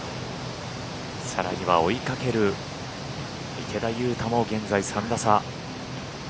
さらには追いかける池田勇太も現在３打差。